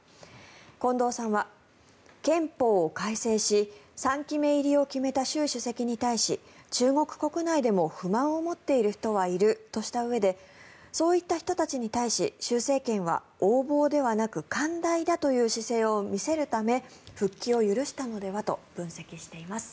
近藤さんは、憲法を改正し３期目入りを決めた習主席に対し中国国内でも不満を持っている人はいるとしたうえでそういった人たちに対し習政権は横暴ではなく寛大だという姿勢を見せるため復帰を許したのではと分析しています。